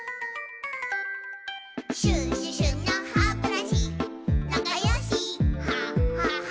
「シュシュシュのハブラシなかよしハハハ」